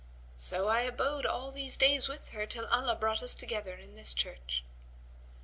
So I abode all these days with her till Allah brought us together in this church."